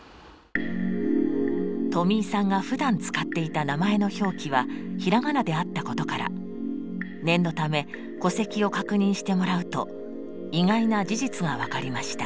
とみいさんがふだん使っていた名前の表記は平仮名であったことから念のため戸籍を確認してもらうと意外な事実が分かりました。